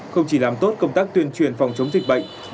không chỉ làm tốt công tác tuyên truyền phòng chống dịch bệnh